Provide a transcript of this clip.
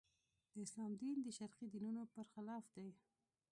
د اسلام دین د شرقي دینونو برخلاف دی.